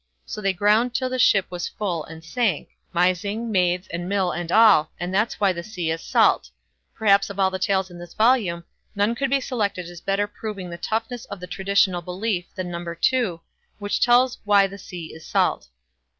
So they ground till the ship was full and sank, Mysing, maids, and mill, and all, and that's why the sea is salt. Perhaps of all the tales in this volume, none could be selected as better proving the toughness of a traditional belief than No. ii, which tells "Why the Sea is Salt".